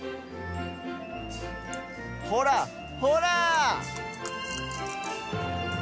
ほらほら！